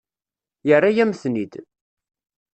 Yerra-yam-ten-id.